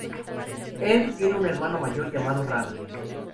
Él tiene un hermano mayor llamado, Rana.